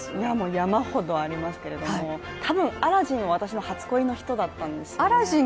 山ほどありますけれども、多分アラジンは私の初恋の人だったんですよね